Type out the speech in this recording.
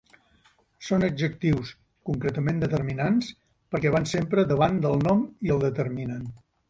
Són adjectius, concretament determinants, perquè van sempre davant del nom i el determinen.